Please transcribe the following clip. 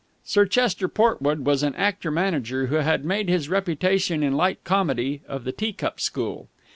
Sir Chester Portwood was an actor manager who had made his reputation in light comedy of the tea cup school.